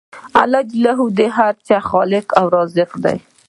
الله ج د هر څه خالق او رازق دی